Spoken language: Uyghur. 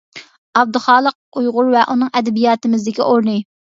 «ئابدۇخالىق ئۇيغۇر ۋە ئۇنىڭ ئەدەبىياتىمىزدىكى ئورنى» .